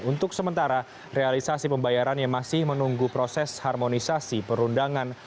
untuk sementara realisasi pembayarannya masih menunggu proses harmonisasi perundangan